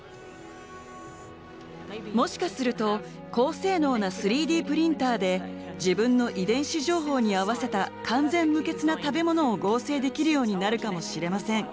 もしかすると高性能な３Ｄプリンターで自分の遺伝子情報に合わせた完全無欠な食べ物を合成できるようになるかもしれません。